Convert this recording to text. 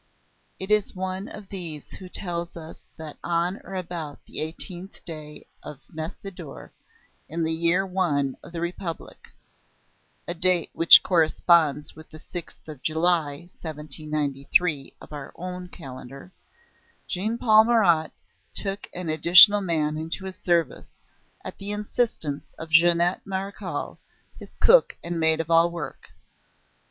It is one of these who tells us that on or about the eighteenth day of Messidor, in the year I of the Republic (a date which corresponds with the sixth of July, 1793, of our own calendar), Jean Paul Marat took an additional man into his service, at the instance of Jeannette Marechal, his cook and maid of all work.